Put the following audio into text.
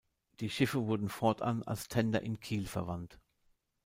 Die Schiffe wurden fortan als Tender in Kiel verwandt.